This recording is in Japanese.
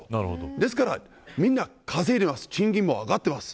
ですから、みんな、稼いでいます賃金も上がっています。